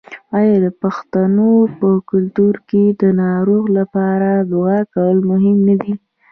آیا د پښتنو په کلتور کې د ناروغ لپاره دعا کول مهم نه دي؟